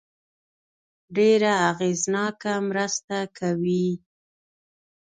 ډېره اغېزناکه مرسته کوي.